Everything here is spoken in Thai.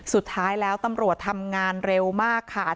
สุดท้ายแล้วตำรวจทำงานเร็วมากค่ะ